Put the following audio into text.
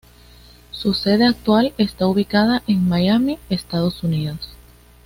Su sede actual está ubicada en Miami, Estados Unidos.